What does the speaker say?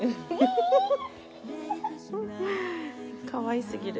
かわいすぎる。